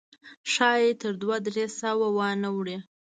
ښایي تر دوه درې سوه وانه وړي.